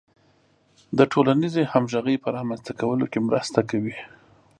د ټولنیزې همغږۍ په رامنځته کولو کې مرسته کوي.